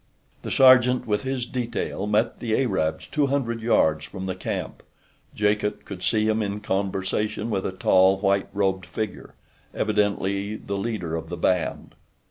The sergeant with his detail met the Arabs two hundred yards from the camp. Jacot could see him in conversation with a tall, white robed figure—evidently the leader of the band.